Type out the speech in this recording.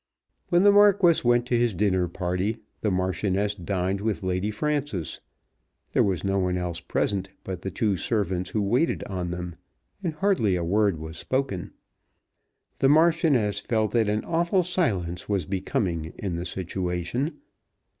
When the Marquis went to his dinner party the Marchioness dined with Lady Frances. There was no one else present but the two servants who waited on them, and hardly a word was spoken. The Marchioness felt that an awful silence was becoming in the situation.